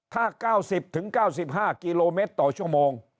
ถ้า๙๐๙๕กิโลเมตรต่อชั่วโมง